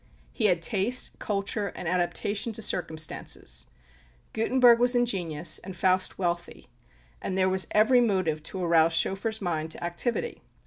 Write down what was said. He had taste, culture, and adaptation to circumstances; Gutenberg was ingenious, and Faust wealthy; and there was every motive to arouse Schoeffer's mind to activity.